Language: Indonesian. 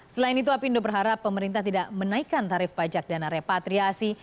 selain itu apindo berharap pemerintah tidak menaikkan tarif pajak dana repatriasi